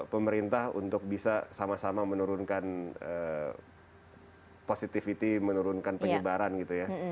pemerintah untuk bisa sama sama menurunkan positivity menurunkan penyebaran gitu ya